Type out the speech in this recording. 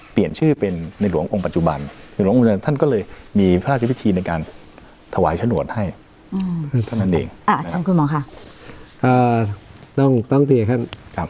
เปลี่ยนชื่อเป็นหลวงองค์ปัจจุบันนี่หลวงองค์แบบนั้นท่าน